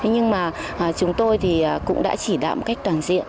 nhưng mà chúng tôi thì cũng đã chỉ đạm cách toàn diện